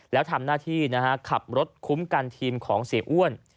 แล้วทำหน้าที่ขับรถคุ้มกันทีมของเสียอ้วน